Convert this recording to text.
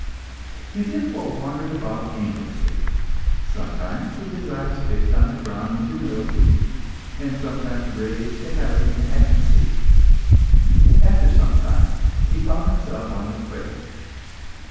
He therefore wandered about aimlessly, sometimes with his eyes fixed on the ground in humility, and sometimes raised to heaven in ecstasy. After some time, he found himself on the quay.